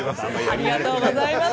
ありがとうございます。